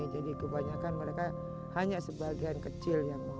jadi kebanyakan mereka hanya sebagian kecil yang mau